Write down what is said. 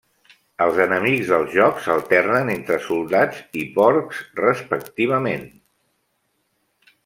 Els enemics del joc s'alternen entre soldats i porcs, respectivament.